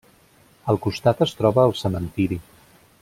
Al costat es troba el cementiri.